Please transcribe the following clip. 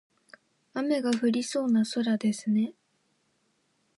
雨が降りそうな空ですね。